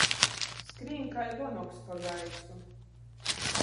Skrīn kai vonogs pa gaisu.